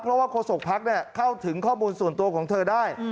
เพราะว่าโฆษกภักดิ์เข้าถึงข้อมูลส่วนตัวของเธอได้